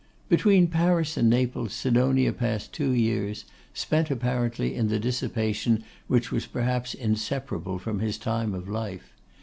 Between Paris and Naples Sidonia passed two years, spent apparently in the dissipation which was perhaps inseparable from his time of life.